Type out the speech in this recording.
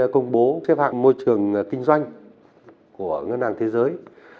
công bố xếp hạng môi trường kinh doanh của ngân hàng thế giới